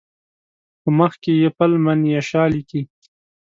په مخ کې یفل من یشاء لیکي.